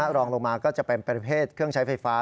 รองลงมาก็จะเป็นประเภทเครื่องใช้ไฟฟ้า